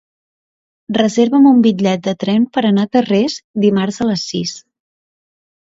Reserva'm un bitllet de tren per anar a Tarrés dimarts a les sis.